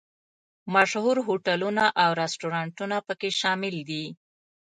مشهور هوټلونه او رسټورانټونه په کې شامل دي.